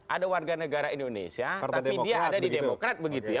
ada warga negara indonesia tapi dia ada di demokrat begitu ya